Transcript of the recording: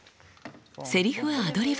セリフはアドリブ。